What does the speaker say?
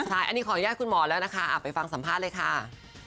ใช่อันนี้ขออนุญาตคุณหมอแล้วนะคะไปฟังสัมภาษณ์เลยค่ะ